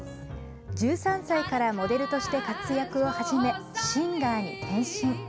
１３歳からモデルとして活躍を始めシンガーに転身。